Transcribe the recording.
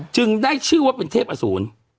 ได้ชื่อว่าเป็นเทพอสูร